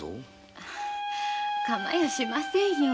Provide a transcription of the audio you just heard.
かまやしませんよ